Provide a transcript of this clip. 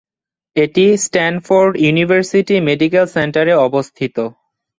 এটি Stanford University Medical সেন্টারে অবস্থিত।